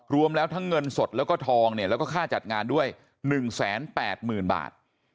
รวมแล้วทั้งเงินสดแล้วก็ทองเนี่ยแล้วก็ค่าจัดงานด้วย๑๘๐๐๐บาท